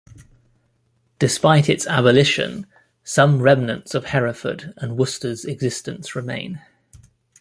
Despite its abolition, some remnants of Hereford and Worcester's existence remain.